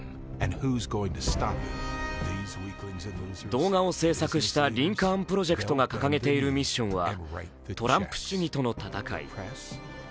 動画を制作したリンカーン・プロジェクトが掲げているミッションはトランプ主義との戦い。